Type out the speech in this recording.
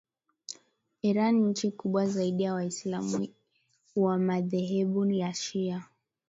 Iran nchi kubwa zaidi ya waislam wa madhehebu ya shia